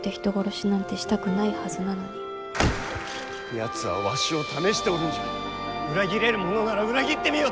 やつはわしを試しておるんじゃ裏切れるものなら裏切ってみよと！